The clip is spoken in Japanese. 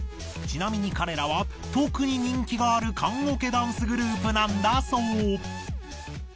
ちなみに彼らは特に人気がある棺桶ダンスグループなんだそう。